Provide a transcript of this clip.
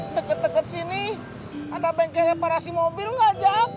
deket deket sini ada bengkel reparasi mobil nggak jack